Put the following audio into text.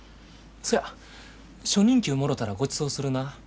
そや初任給もろたらごちそうするな。